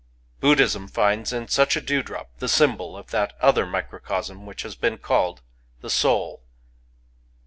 Buddhism finds in such a dewdrop the symbol of that other microcosm which has been called the Soul.